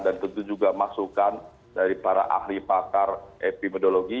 dan tentu juga masukan dari para ahli pakar epidemiologi